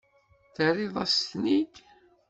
Terriḍ-as-ten-id.